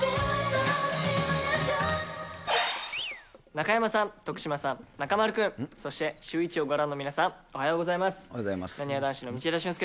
中山さん、徳島さん、中丸君、そしてシューイチをご覧の皆さん、おはようございます。